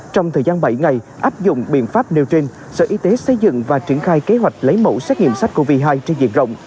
trong thời gian bảy ngày áp dụng biện pháp nêu trên sở y tế xây dựng và triển khai kế hoạch lấy mẫu xét nghiệm sách covid một mươi chín trên diện rộng